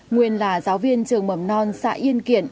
nguyên là giáo viên trường mầm non xã yên kiện